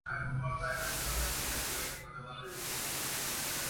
Todas las canciones escritas y realizadas por Underoath.